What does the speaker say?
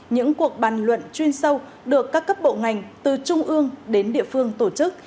những cuộc bàn luận chuyên sâu được các cấp bộ ngành từ trung ương đến địa phương tổ chức